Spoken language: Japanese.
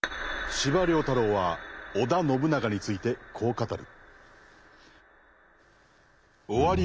司馬太郎は織田信長についてこう語る。